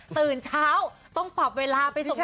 ตื่นเช้าต้องปรับเวลาไปส่งบางคนด้วย